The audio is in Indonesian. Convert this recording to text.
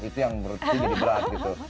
itu yang menurutku jadi berat gitu